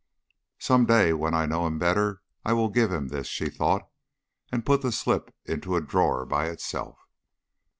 "Some day when I know him better I will give him this," she thought, and put the slip into a drawer by itself.